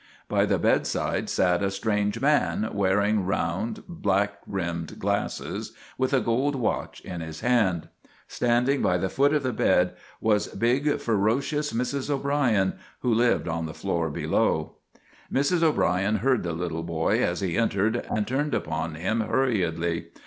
By the bed side sat a strange man, wearing round, black rimmed glasses, with a gold watch in his hand. Standing by the foot of the bed was big, ferocious Mrs. O'Brien, who lived on the floor below. Mrs. O'Brien heard the little boy as he entered, and turned upon him hurriedly.